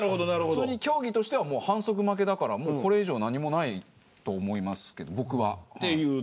競技としては反則負けだからこれ以上何もないと思います。